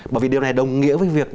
bởi vì điều này đồng nghĩa với việc